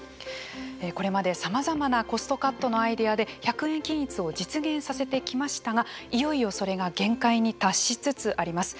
これまで、さまざまなコストカットのアイデアで１００円均一を実現させてきましたがいよいよそれが限界に達しつつあります。